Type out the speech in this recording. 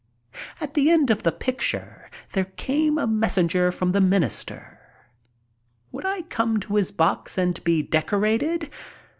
At the end of the picture there came a messenger from the Minister: "Would I come to his box and be decorated?"